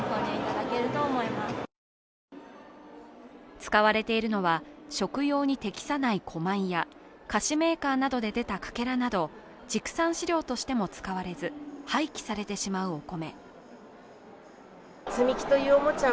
使われているのは食用に適さない古米や菓子メーカーなどで出たかけらなど畜産飼料としても使われず、廃棄されてしまうお米。